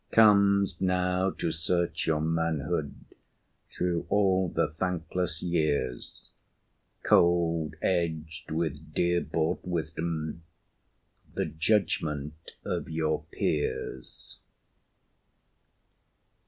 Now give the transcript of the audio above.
Comes now, to search your manhood Through all the thankless years, Cold, edged with dear bought wisdom, The judgment of your peers!